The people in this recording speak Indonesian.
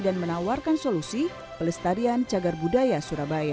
dan menawarkan solusi pelestarian cagar budaya surabaya